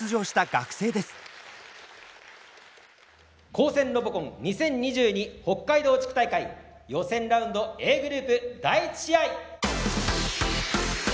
「高専ロボコン２０２２北海道地区大会」予選ラウンドＡグループ第１試合。